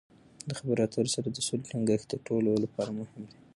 د خبرو اترو سره د سولې ټینګښت د ټولو لپاره مهم دی.